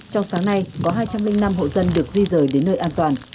trong sáng nay có hai trăm linh năm hộ dân được di rời đến nơi an toàn